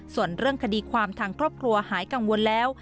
ส่วนเรื่องคดีความทางครอบครัวหายกังวลแล้ว